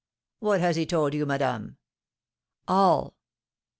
"What has he told you, madame?" "All!"